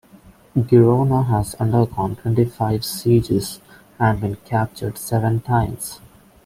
Girona has undergone twenty-five sieges and been captured seven times.